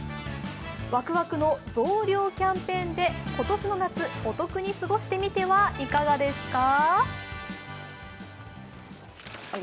ワクワクの増量キャンペーンで今年の夏、お得に過ごしてみてはいかがですか？